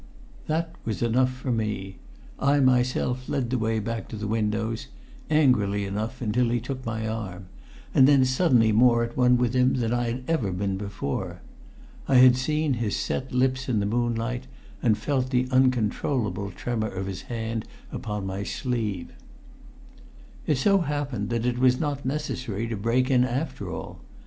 That was enough for me. I myself led the way back to the windows, angrily enough until he took my arm, and then suddenly more at one with him than I had ever been before. I had seen his set lips in the moonlight, and felt the uncontrollable tremor of the hand upon my sleeve. It so happened that it was not necessary to break in after all.